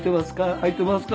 「空いていますか？」